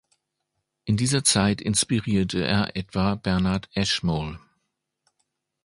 In dieser Zeit inspirierte er etwa Bernard Ashmole.